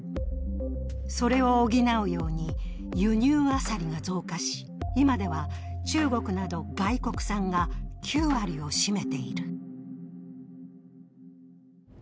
それを補うように輸入アサリが増加し今では中国など外国産が９割を占めている。